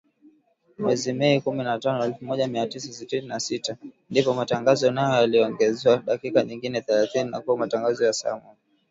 Mwezi Mei, kumi na tano, elfu moja mia tisa sitini na sita, ndipo matangazo hayo yaliongezewa dakika nyingine thelathini na kuwa matangazo ya saa moja